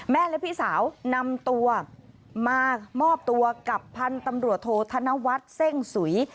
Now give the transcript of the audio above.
และพี่สาวนำตัวมามอบตัวกับพันธุ์ตำรวจโทษธนวัฒน์เส้งสุย